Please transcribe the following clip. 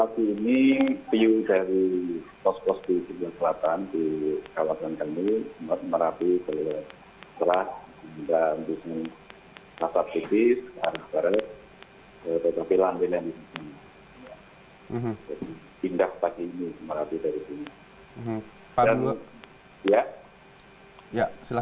kondisi terkini piuh dari pos pos di jendela selatan di kawasan kami merapi ke selat